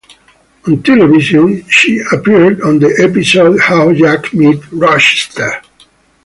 On television, she appeared on the episode How Jack Met Rochester.